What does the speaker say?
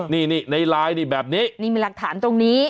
นี่ในลายนี้แบบนี้มีลักฐานตรงนี้